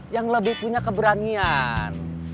yang lebih punya keberanian